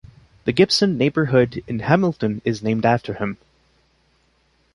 The Gibson neighbourhood in Hamilton is named after him.